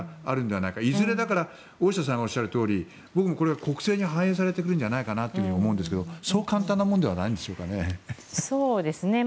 だから、いずれ大下さんがおっしゃるとおりこれは国政に反映されてくるんじゃないかなと思うんですけどそう簡単なものではないんですかね。